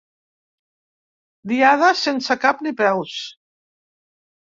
Diada sense cap ni peus.